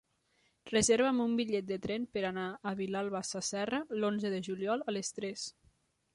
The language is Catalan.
Reserva'm un bitllet de tren per anar a Vilalba Sasserra l'onze de juliol a les tres.